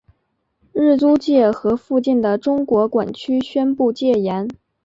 日租界和附近的中国管区宣布戒严。